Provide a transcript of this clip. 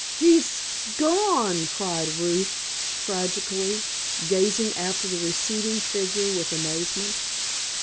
"He's gone!" cried Ruth tragically, gazing after the receding figure with amazement.